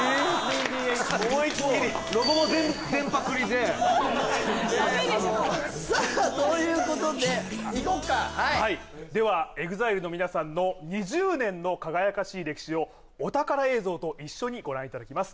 思いっきりロゴも全パクリでダメでしょさあということでいこっかではＥＸＩＬＥの皆さんの２０年の輝かしい歴史をお宝映像と一緒にご覧いただきます